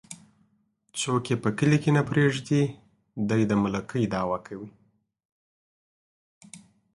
څوک يې په کلي کې نه پرېږدي ،دى د ملکۍ دعوه کوي.